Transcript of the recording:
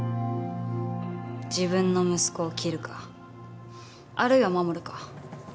自分の息子を切るかあるいは守るか。